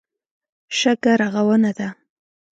شګه رغونه ده.